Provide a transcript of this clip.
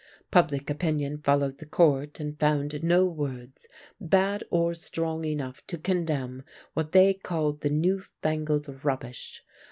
Public opinion followed the Court, and found no words, bad or strong enough to condemn what they called the new fangled rubbish.